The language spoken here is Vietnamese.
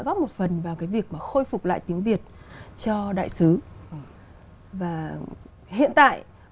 góp một phần vào cái việc mà khôi phục lại tiếng việt cho đại sứ và hiện tại có thể nói là anh ấy